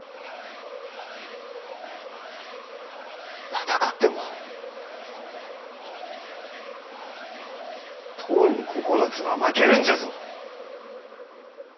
戦っても十に九つは負けるんじゃぞ。